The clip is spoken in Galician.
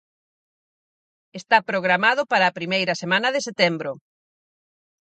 Está programado para a primeira semana de setembro.